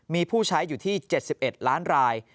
มีผู้ใช้อยู่ที่๗๑ล้านราย